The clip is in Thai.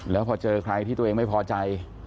แล้วพอเจอใครที่ตัวเองไม่พอใจ